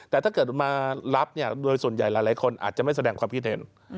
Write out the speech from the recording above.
แต่ถ้าเกิดมารับเนี่ยโดยส่วนใหญ่หลายคนอาจจะไม่แสดงความคิดเห็น